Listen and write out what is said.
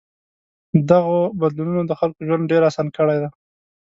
دغو بدلونونو د خلکو ژوند ډېر آسان کړی دی.